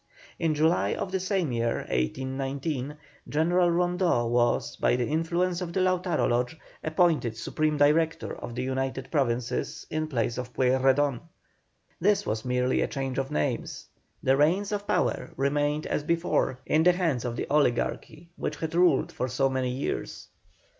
In July of this same year 1819, General Rondeau was, by the influence of the Lautaro Lodge, appointed Supreme Director of the United Provinces in place of Pueyrredon. This was merely a change of names, the reins of power remained as before in the hands of the oligarchy which had ruled for so many years.